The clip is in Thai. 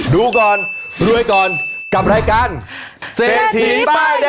ดูก่อนรวยก่อนกับรายการเศรษฐีป้ายแดง